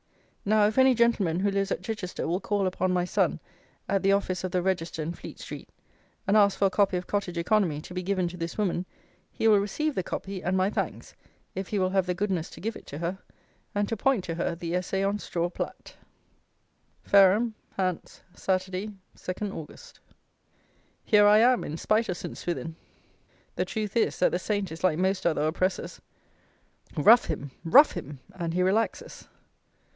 Now, if any gentleman who lives at Chichester will call upon my Son, at the Office of the Register in Fleet Street, and ask for a copy of Cottage Economy, to be given to this woman, he will receive the copy, and my thanks, if he will have the goodness to give it to her, and to point to her the Essay on Straw Plat. Fareham (Hants), Saturday, 2 August. Here I am in spite of St. Swithin! The truth is, that the Saint is like most other oppressors; rough him! rough him! and he relaxes.